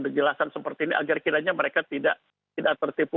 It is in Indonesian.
kejelasan seperti ini agar kiranya mereka tidak tertipu